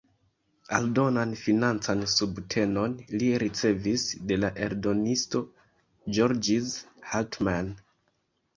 Aldonan financan subtenon li ricevis de la eldonisto "Georges Hartmann".